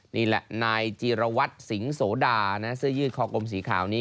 นี่แหละนายจีรวัตรสิงห์โสดาเสื้อยืดคอกลมสีขาวนี้